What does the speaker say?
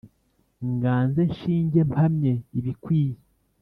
nganze nshinge mpamye ibikwiye